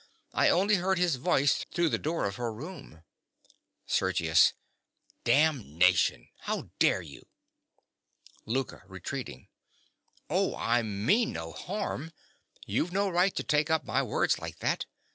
I only heard his voice through the door of her room. SERGIUS. Damnation! How dare you? LOUKA. (retreating). Oh, I mean no harm: you've no right to take up my words like that.